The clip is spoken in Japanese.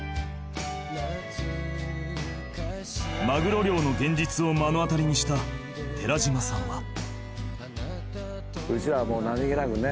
［マグロ漁の現実を目の当たりにした寺島さんは］